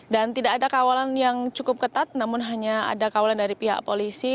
tidak ada kawalan yang cukup ketat namun hanya ada kawalan dari pihak polisi